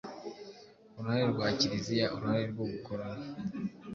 uruhare rwa Kiliziya; uruhare rw'ubukoloni